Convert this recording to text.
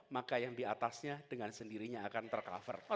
maka yang diatasnya dengan sendirinya akan tercover